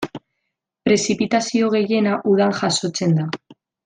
Prezipitazio gehiena udan jasotzen da.